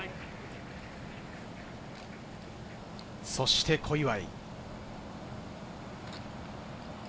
そして小祝。